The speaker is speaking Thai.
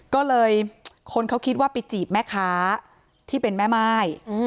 ก็เลยคนเขาคิดว่าไปจีบแม่ค้าที่เป็นแม่ม่าย